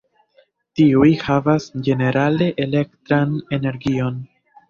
Tiuj havas ĝenerale elektran energion.